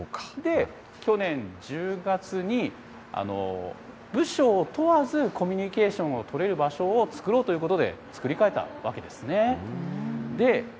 で、去年１０月に、部署を問わず、コミュニケーションを取れる場所をつくろうということで、作り替えたわけですね。